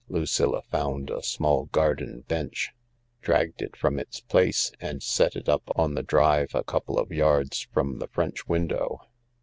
Lucilla found a small garden bench, dragged it from its place, and set it up on the drive a couple of yards from the French window.